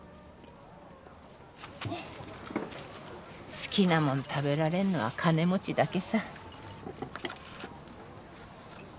好きなもん食べられんのは金持ちだけさ。